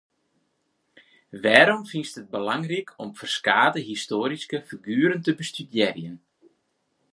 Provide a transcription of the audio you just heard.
Wêrom fynst it belangryk om ferskate histoaryske figueren te bestudearjen?